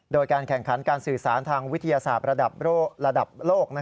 โดยการแข่งขันการสื่อสารทางวิทยาศาสตร์ระดับโลก